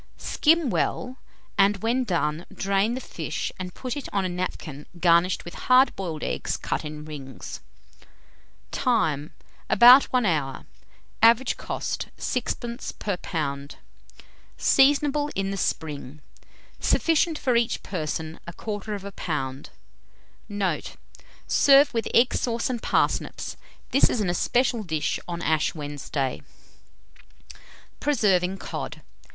Skim well, and when done, drain the fish and put it on a napkin garnished with hard boiled eggs cut in rings. Time. About 1 hour. Average cost, 6d. per lb. Seasonable in the spring. Sufficient for each person, 1/4 lb. Note. Serve with egg sauce and parsnips. This is an especial dish on Ash Wednesday. PRESERVING COD.